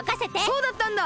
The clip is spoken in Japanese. そうだったんだ！